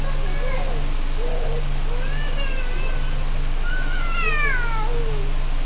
আমার জন্যই এই ব্যক্তি প্রথম কোনো মেয়ের দুধ দেখে।